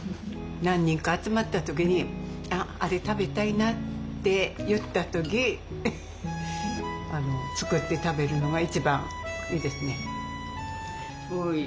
何人か集まったときにあれ食べたいなって言ったとき作って食べるのが一番いいですね。